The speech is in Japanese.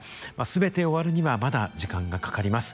全て終わるにはまだ時間がかかります。